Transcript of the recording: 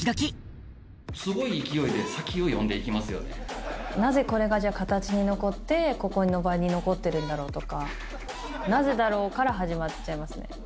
すごい勢いで、先を読んでいなぜこれがじゃあ、形に残って、ここの場に残ってるんだろうとか、なぜだろう？から始まっちゃいますね。